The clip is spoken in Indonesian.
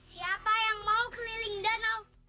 siapa yang mau keliling danau